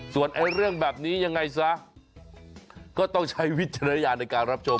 ส่วนเรื่องแบบนี้ยังไงซะก็ต้องใช้วิจารณญาณในการรับชม